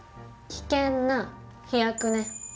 危険な飛躍ね。